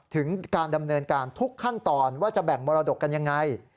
ถึงการดำเนินการทุกขั้นตอนว่าจะแบ่งมรดกกันยังไง